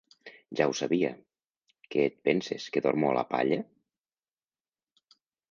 Ja ho sabia; que et penses que dormo a la palla?